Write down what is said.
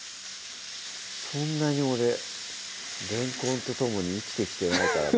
そんなに俺れんこんと共に生きてきてないからな